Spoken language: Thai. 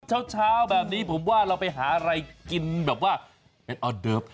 เช้าแบบนี้ผมว่าเราไปหาอะไรกินแบบว่าเป็นออเดิฟ